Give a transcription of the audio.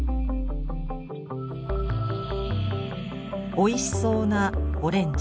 おいしそうなオレンジ。